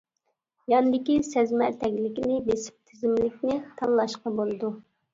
ياندىكى سەزمە تەگلىكنى بېسىپ تىزىملىكنى تاللاشقا بولىدۇ.